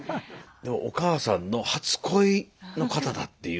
でもお母さんの初恋の方だっていう。